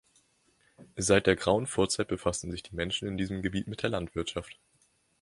Seit der grauen Vorzeit befassten sich die Menschen in diesem Gebiet mit der Landwirtschaft.